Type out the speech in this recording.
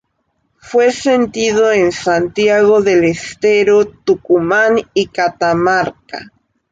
Fue sentido en Santiago del Estero, Tucumán y Catamarca.